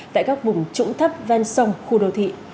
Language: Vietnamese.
tại các vùng trũng thấp ven sông khu đô thị